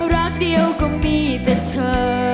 รักเดียวก็มีแต่เธอ